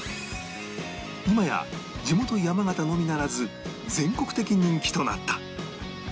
今や地元山形のみならず全国的人気となった